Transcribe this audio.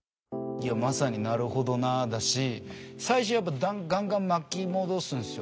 いやまさに「なるほどなあ」だし最初やっぱガンガン巻き戻すんすよ。